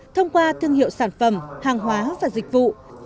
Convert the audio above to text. thông qua thương hiệu sản phẩm hàng hóa và dịch vụ